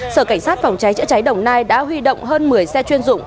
sở cảnh sát phòng cháy chữa cháy đồng nai đã huy động hơn một mươi xe chuyên dụng